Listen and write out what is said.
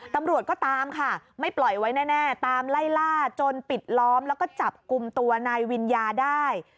ตำรวจก็ตามค่ะไม่ปล่อยไว้แน่ตามไล่ล่าจนปิดล้อมแล้วก็จับกลุ่มตัวนายวิญญาได้